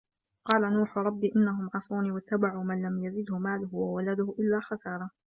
قالَ نوحٌ رَبِّ إِنَّهُم عَصَوني وَاتَّبَعوا مَن لَم يَزِدهُ مالُهُ وَوَلَدُهُ إِلّا خَسارًا